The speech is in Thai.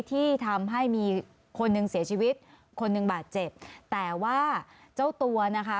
ที่ทำให้มีคนหนึ่งเสียชีวิตคนหนึ่งบาดเจ็บแต่ว่าเจ้าตัวนะคะ